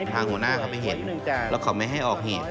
ทางหัวหน้าเขาไปเห็นแล้วเขาไม่ให้ออกเหตุ